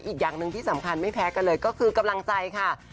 อีกอย่างหนึ่งที่สำคัญไม่แพ้กันเลยก็คือกำลังใจค่ะ